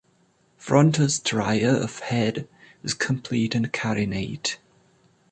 Frontal stria of head is complete and carinate.